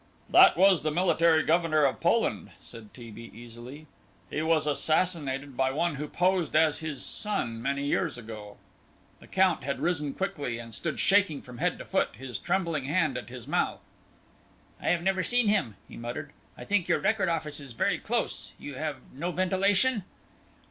"That was the Military Governor of Poland," said T. B., easily; "he was assassinated by one who posed as his son many years ago." The Count had risen quickly, and stood shaking from head to foot, his trembling hand at his mouth. "I have never seen him," he muttered. "I think your record office is very close you have no ventilation."